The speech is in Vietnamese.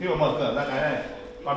khi mà mở cửa ra cái này